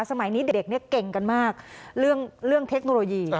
สมัยนี้เด็กเนี่ยเก่งกันมากเรื่องเทคโนโลยี